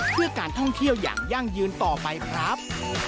เพื่อการท่องเที่ยวอย่างยั่งยืนต่อไปครับ